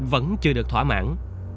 vẫn chưa được thỏa mãn